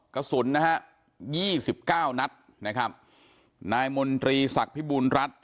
กระสุนนะฮะยี่สิบเก้านัดนะครับนายมนตรีศักดิ์พิบูรณรัฐ